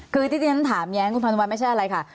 คือที่ฉันถามเนี่ยคุณพันวัลไม่ใช่อะไรค่ะ